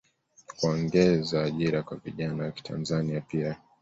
kuongeza ajira kwa vijana wakitanzania pia